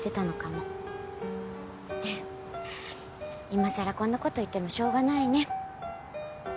いまさらこんなこと言ってもしょうがないね。